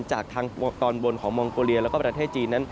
จากทางตอนบนของมองโกเลียและประเทศจีน